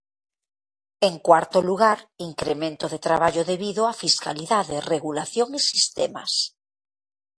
En cuarto lugar, incremento de traballo debido á fiscalidade, regulación e sistemas.